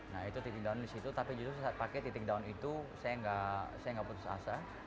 nah itu titik down disitu tapi justru saat pakai titik down itu saya gak putus akal